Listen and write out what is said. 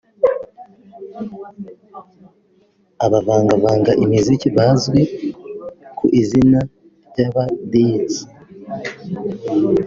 abavangavanga imiziki bazwi ku izina ry’aba djs